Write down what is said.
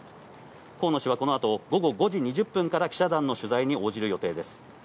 河野氏はこのあと午後５時２０分から記者団に取材に応じる予定です。